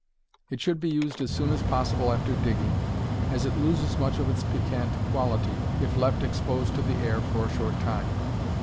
It should be used as soon as possible after digging, as it loses much of its piquant quality if left exposed to the air for a short time.